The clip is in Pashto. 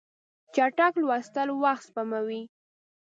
چټک لوستل وخت سپموي.